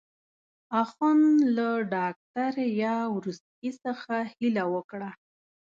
اخند له ډاکټر یاورسکي څخه هیله وکړه.